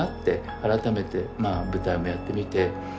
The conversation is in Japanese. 改めてまあ舞台もやってみて。